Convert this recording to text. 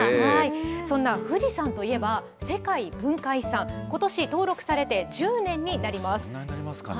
そんな富士山といえば、世界文化遺産、ことし登録されて１０年にもうそんなになりますかね。